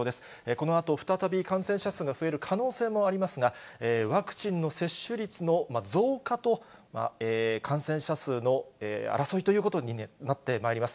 このあと、再び感染者数が増える可能性もありますが、ワクチンの接種率の増加と感染者数の争いということになってまいります。